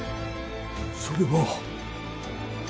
それは。